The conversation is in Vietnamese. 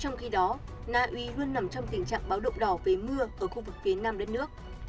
trong khi đó naui luôn nằm trong tình trạng báo động đỏ về mưa ở khu vực phía nam đất nước